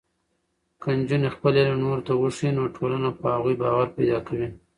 که نجونې خپل علم نورو ته وښيي، نو ټولنه په هغوی باور پیدا کوي.